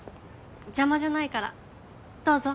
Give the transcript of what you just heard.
邪魔じゃないからどうぞ。